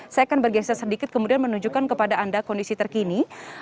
saya akan bergeser sedikit kemudian menunjukkan kepada anda kondisi terkini